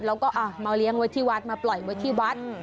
แล้วก็มาเลี้ยงไว้ที่วัดมาปล่อยไว้ที่วัด